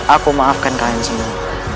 aku maafkan kalian semua